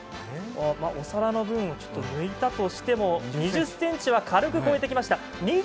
お皿の分を抜いたとしても２０ｃｍは軽く超えてきました。